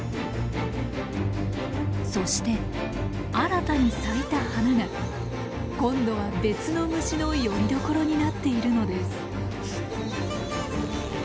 そして新たに咲いた花が今度は別の虫のよりどころになっているのです。